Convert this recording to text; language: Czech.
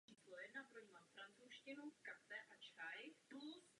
Právě pro uložení těchto ostatků byl relikviář zhotoven.